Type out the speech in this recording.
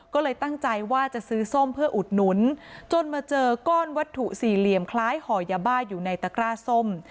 ก็เลยตั้งใจว่าจะซื้อส้มเพื่ออุดหนุนจนมาเจอก้อนวัตถุสี่เหลี่ยมคล้ายห่อยาบ้าอยู่ในตะกร้าส้ม